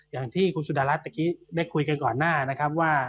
อย่างที่ครูสุดารัสได้คุยกันก่อนหน้านะครับว่า